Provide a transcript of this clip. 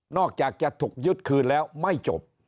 อกจากจะถูกยึดคืนแล้วไม่จบ